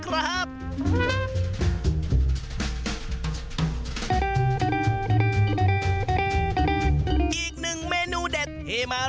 โรงโต้งคืออะไร